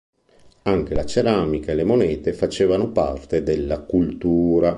Anche la ceramica e le monete facevano parte della cultura.